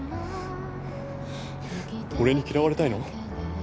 俺に嫌われたいの？